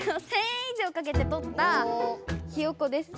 １，０００円以上かけてとったひよこです。